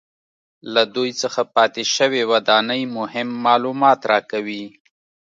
له دوی څخه پاتې شوې ودانۍ مهم معلومات راکوي